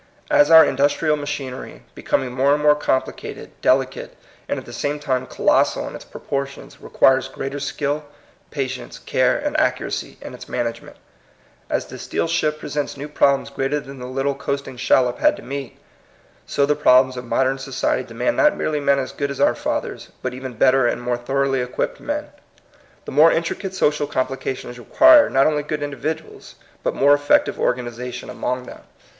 As our industrial machinery, becoming more and more complicated, delicate, and at the same time colossal in its proportions, re quires greater skill, patience, care, and accuracy in its management; as the steel ship presents new problems greater than the little coasting shallop had to meet, — so the problems of modern society demand not merely men as good as our fathers, but even better and more thoroughly equipped men. The more intricate social complica tions require, not only good individuals, but more effective organization among them. 116 THE COMING PEOPLE.